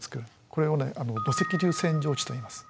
これを土石流扇状地といいます。